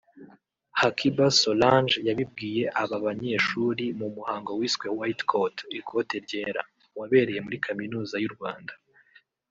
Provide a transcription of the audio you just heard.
Hakiba Solange yabibwiye aba banyeshuri mu muhango wiswe White Coat (ikote ryera) wabereye muri Kaminuza y’u Rwanda